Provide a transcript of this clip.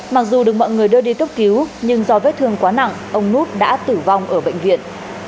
mặc dù được mọi người đưa đi cấp cứu nhưng do vết thương quá nặng ông nút đã tử vong ở bệnh viện